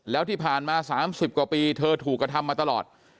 แล้วที่ผ่านมา๓๐กว่าปีเธอถูกกระทำมาตลอด